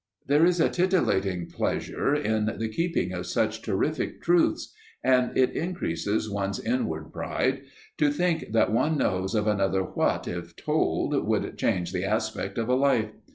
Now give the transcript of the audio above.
There is a titilating pleasure in the keeping of such terrific truths and it increases one's inward pride to think that one knows of another what, if told, would change the aspect of a life.